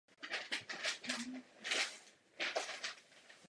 Zemědělství mělo vždy velký význam a nyní stále více upadá.